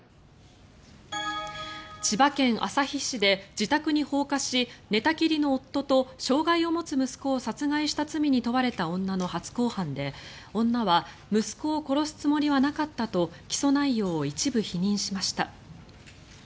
千葉県旭市で、自宅に放火し寝たきりの夫と障害を持つ息子を殺害した罪に問われた女の初公判で女は息子を殺すつもりはなかったと起訴内容を一部否認しました。